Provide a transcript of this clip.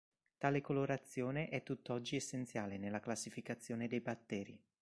Tale colorazione è tutt'oggi essenziale nella classificazione dei batteri.